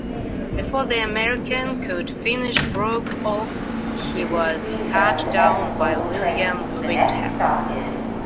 Before the American could finish Broke off, he was cut down by William Windham.